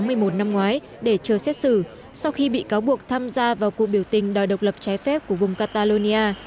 tháng một mươi một năm ngoái để chờ xét xử sau khi bị cáo buộc tham gia vào cuộc biểu tình đòi độc lập trái phép của vùng catalonia